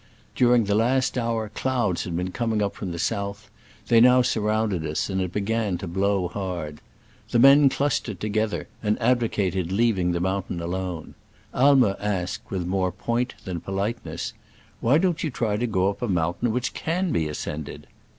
During the last hour clouds had been coming up from the south : they now surrounded us, and it began to blow hard. The men cluster ed together, and advocated leaving the mountain alone. Aimer asked, with more point than politeness, " Why don't ^''.^' MT TBKT BBARER— THB HUNCHBACK. you try to go up a mountain which can be ascended